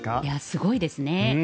すごいですね。